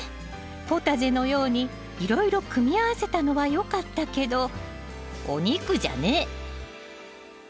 ポタジェのようにいろいろ組み合わせたのはよかったけどお肉じゃねえ。